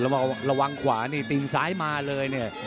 ระวังขวานี่ตีนซ้ายมาเลยเนี่ย